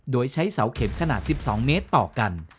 โดยใช้เสาเข็มขนาด๑๒เมตรต่อกัน